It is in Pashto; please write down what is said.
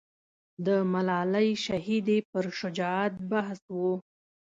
د ملالۍ شهیدې پر شجاعت بحث و.